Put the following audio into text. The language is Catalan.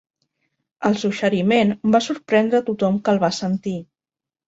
El suggeriment va sorprendre a tothom que el va sentir.